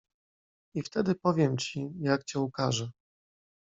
"I wtedy powiem ci, jak cię ukarzę."